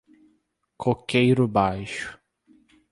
Coqueiro Baixo